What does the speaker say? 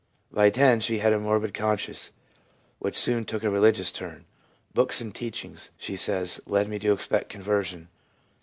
By 10 she had a morbid conscience, which soon took a religious turn. ' Books and teaching/ she says, ' led me to expect conversion.